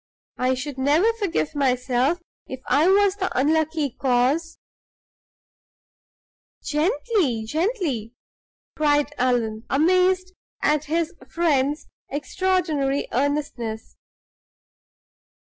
I should never forgive myself if I was the unlucky cause " "Gently gently!" cried Allan, amazed at his friend's extraordinary earnestness.